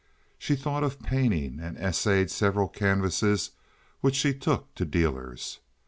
She thought of painting and essayed several canvases which she took to dealers.